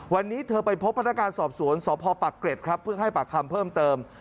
วันนี้เธอไปพบพนักงานสอบสวนสพปักเกร็ดครับเพื่อให้ปากคำเพิ่มเติม